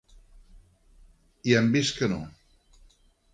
I hem vist que no.